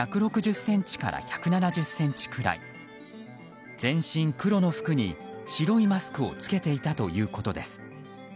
身長１６０ｃｍから１７０ｃｍくらい全身黒の服に、白いマスクを着けていたということです。